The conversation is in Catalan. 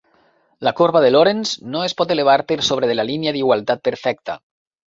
La corba de Lorenz no es pot elevar per sobre de la línia d'igualtat perfecta.